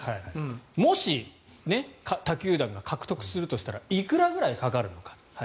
もし、他球団が獲得するとしたらいくらぐらいかかるのか。